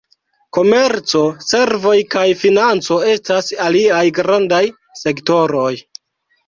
Komerco, servoj kaj financo estas aliaj grandaj sektoroj.